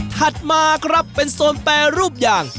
ถัดมาครับเป็นโซนแปรรูปอย่าง